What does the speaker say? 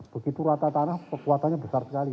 begitu rata tanah kekuatannya besar sekali